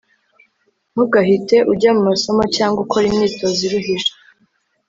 ntugahite ujya mu masomo cyangwa ukora imyitozo iruhije